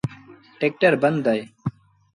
ٽيڪٽر بند اهي۔